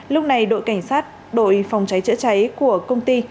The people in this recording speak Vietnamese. lúc này đội cảnh sát đội phòng cháy chữa cháy của công ty